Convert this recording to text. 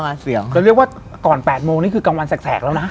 จะเรียกว่าก่อน๘โมงนี่คือกลางวันแสกแล้วนะ